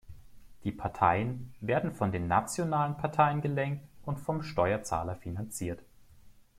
Die Parteien werden von den nationalen Parteien gelenkt und vom Steuerzahler finanziert.